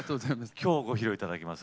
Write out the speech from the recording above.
今日ご披露いただきます